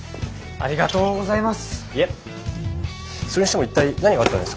ありがとうございます！